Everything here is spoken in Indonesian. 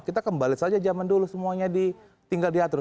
kita kembali saja zaman dulu semuanya tinggal diatur